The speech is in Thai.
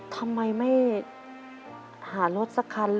ทำไมไม่หารถสักคัน